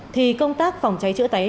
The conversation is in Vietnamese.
thì công tác phòng cháy chữa táy